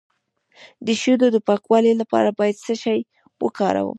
د شیدو د پاکوالي لپاره باید څه شی وکاروم؟